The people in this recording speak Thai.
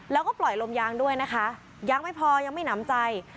แล้วก็ปล่อยลมยางด้วยนะคะยังไม่พอยังไม่หนำใจ